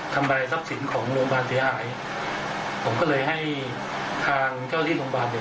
ทำไมทรัพย์สินของโรงพยาบาลเสียหายผมก็เลยให้ทางเจ้าที่โรงพยาบาลเนี่ย